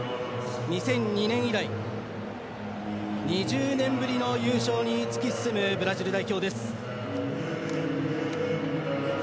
２００２年以来２０年ぶりの優勝に突き進むブラジル代表です。